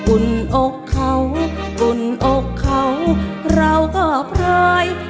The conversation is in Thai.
อุ่นอกเขาอุ่นอกเขาเราก็พรอย